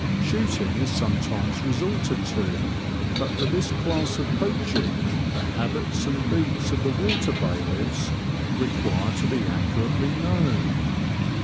Shooting is sometimes resorted to, but for this class of poaching the habits and beats of the water bailiffs require to be accurately known.